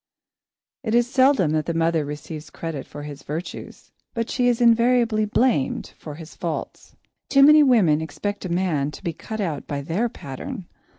It is seldom that the mother receives credit for his virtues, but she is invariably blamed for his faults. Too many women expect a man to be cut out by their pattern.